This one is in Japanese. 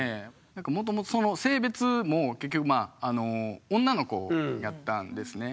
なんかもともとその性別も結局まあ女の子やったんですね。